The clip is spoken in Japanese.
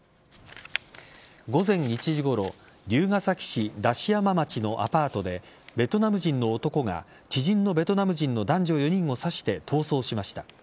午前１時ごろ龍ケ崎市出し山町のアパートでベトナム人の男が知人のベトナム人の男女４人を刺して逃走しました。